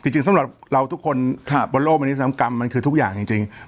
จริงสำหรับเราทุกคนบนโลกมนุษยกรรมมันคือทุกอย่างจริง